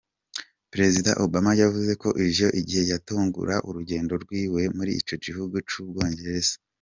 Prezida Obama yavuze ivyo igihe yatangura urugendo rwiwe muri ico gihugu c'Ubwongereza.